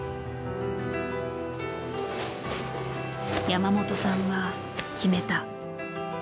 山本さんは決めた。